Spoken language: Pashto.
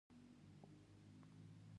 وړانګې مو وکرلې ځي چې اوس یې کرته ورځو